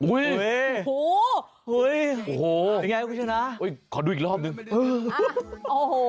อุ้ยโอ้โฮอุ้ยโอ้โฮยังไงกูชนะอุ้ยขอดูอีกรอบหนึ่งเอออ่าโอ้โห